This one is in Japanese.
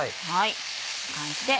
こんな感じで。